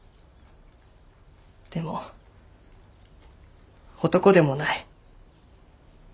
でも男でもない。